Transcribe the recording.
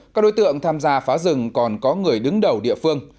các đối tượng tham gia phá rừng còn có người đứng đầu địa phương